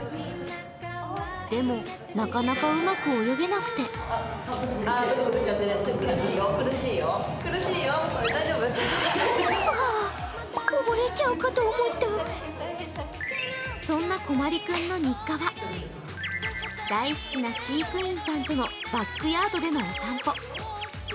でもなかなかうまく泳げなくてそんなこまり君の日課は大好きな飼育員さんとのバックヤードでのお散歩。